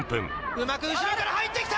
うまく後ろから入ってきた！